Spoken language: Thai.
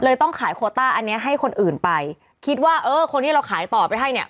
ต้องขายโคต้าอันเนี้ยให้คนอื่นไปคิดว่าเออคนที่เราขายต่อไปให้เนี่ย